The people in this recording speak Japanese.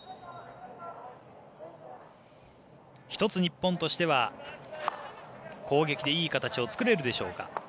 １つ、日本としては攻撃でいい形を作れるでしょうか。